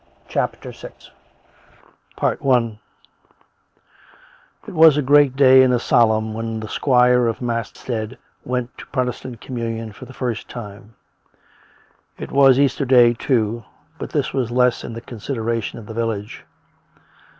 CHAPTER VI It was a great day and a solemn when the squire of Mat stead went to Protestant communion for the first time. It was Easter Day, too, but this was less in the considera tion of the village.